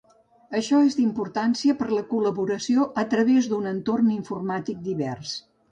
Això és d'importància per a la col·laboració a través d'un entorn informàtic divers.